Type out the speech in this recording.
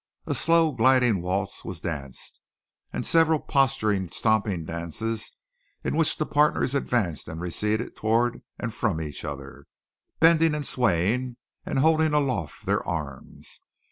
A slow, gliding waltz was danced, and several posturing, stamping dances in which the partners advanced and receded toward and from each other, bending and swaying and holding aloft their arms.